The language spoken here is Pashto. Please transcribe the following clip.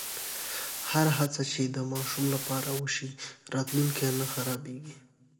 هره هڅه چې د ماشوم لپاره وشي، راتلونکی نه خرابېږي.